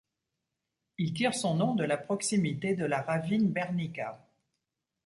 Il tire son nom de la proximité de la ravine Bernica.